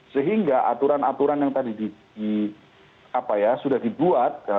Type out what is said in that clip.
sehingga aturan aturan yang tadi sudah dibuat